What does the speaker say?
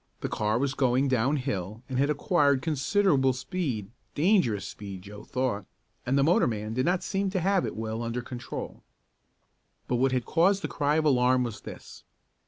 The car was going down hill and had acquired considerable speed dangerous speed Joe thought and the motorman did not seem to have it well under control. But what had caused the cry of alarm was this.